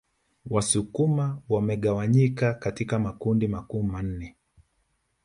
Wasukuma wamegawanyika katika makundi makuu manne